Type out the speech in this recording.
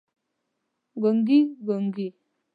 ګونګي، ګونګي